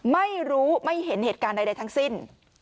ไม่รู้ไม่เห็นเหตุการณ์ใดทั้งสิ้น